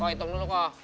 kok hitung dulu kok